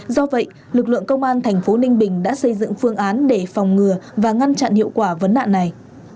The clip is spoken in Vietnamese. do vậy lực lượng công an thành phố ninh bình đã xây dựng phương án để phòng ngừa và ngăn chặn hiệu quả vấn nạn này